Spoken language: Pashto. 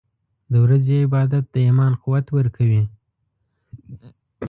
• د ورځې عبادت د ایمان قوت ورکوي.